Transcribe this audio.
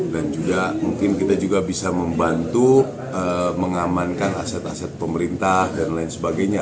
dan juga mungkin kita juga bisa membantu mengamankan aset aset pemerintah dan lain sebagainya